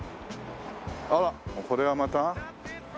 あらこれはまた。